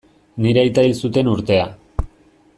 Nire aita hil zuten urtea.